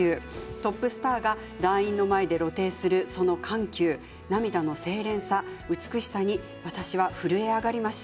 トップスターが団員の前で露呈する、その緩急涙の清廉さ、美しさに私は震え上がりました。